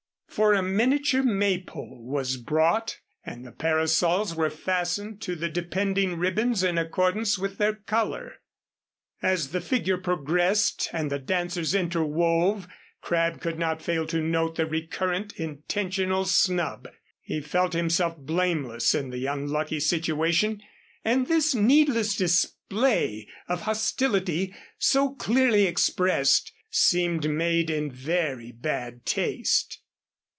For a miniature Maypole was brought and the parasols were fastened to the depending ribbons in accordance with their color. As the figure progressed and the dancers interwove, Crabb could not fail to note the recurrent intentional snub. He felt himself blameless in the unlucky situation, and this needless display of hostility so clearly expressed seemed made in very bad taste.